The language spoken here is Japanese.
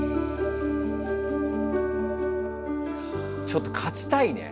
ちょっと勝ちたいね。